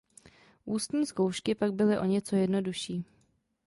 Ústní zkoušky pak byly o něco jednodušší.